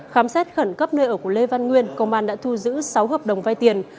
khám xét khẩn cấp nơi ở của lê văn nguyên công an đã thu giữ sáu hợp đồng vai tiền